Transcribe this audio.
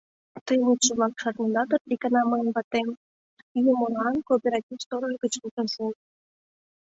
Те, лудшо-влак, шарнеда дыр, икана мыйым ватем йӱмылан кооператив сторож гыч луктын шуыш.